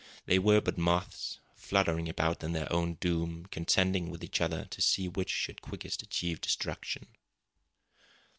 They were but moths, fluttering about in their own doom, contending with each other to see which should quickest achieve destruction.